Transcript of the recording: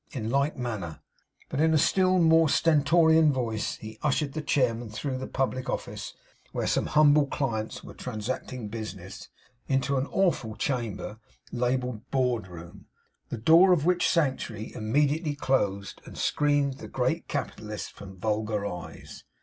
In like manner, but in a still more stentorian voice, he ushered the chairman through the public office, where some humble clients were transacting business, into an awful chamber, labelled Board room; the door of which sanctuary immediately closed, and screened the great capitalist from vulgar eyes.